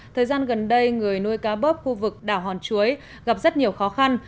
thời gian gần đây người nuôi cá bớp khu vực đảo hòn chuối gặp rất nhiều khó khăn